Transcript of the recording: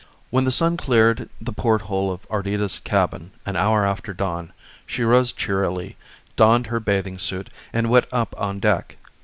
When the sun cleared the port hole of Ardita's cabin an hour after dawn she rose cheerily, donned her bathing suit, and went up on deck.